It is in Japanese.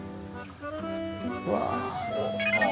うわ。